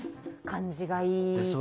感じがいい。